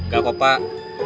ga kok pak